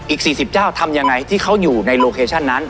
อีก๔๐เจ้าทำยังไงที่เขาอยู่ในโลเคชั่นนั้น